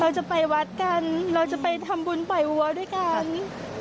เราจะไปวัดกันเราจะไปทำบุญปล่อยวัวด้วยกัน